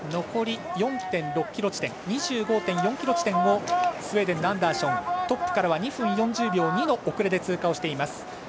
残り４．６ｋｍ地点２５．４ｋｍ地点をスウェーデンのアンダーショントップからは２分４０秒２の遅れで通過をしています。